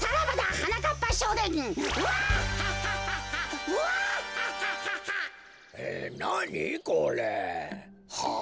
はあ。